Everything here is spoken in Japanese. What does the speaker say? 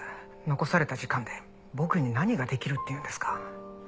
残された時間で僕に何ができるっていうんですか。